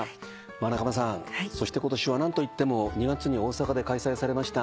仲間さんそして今年は何といっても２月に大阪で開催されました